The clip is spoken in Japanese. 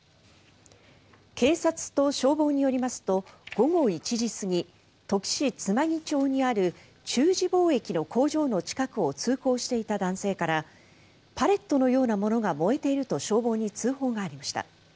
警察と消防によりますと午後１時過ぎ土岐市妻木町にある中慈貿易の工場の近くを通行していた男性からパレットのようなものが燃えていると消防に通報がありました。